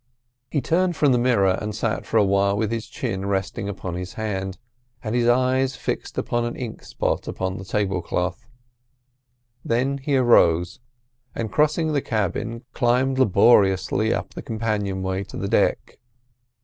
He turned from the mirror and sat for a while with his chin resting upon his hand, and his eyes fixed on an ink spot upon the table cloth; then he arose, and crossing the cabin climbed laboriously up the companion way to the deck.